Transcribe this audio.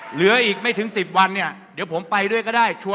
เหลืออีกไม่ถึง๑๐วันเนี่ยเดี๋ยวผมไปด้วยก็ได้ชัว